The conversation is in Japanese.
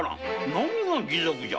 何が義賊じゃ。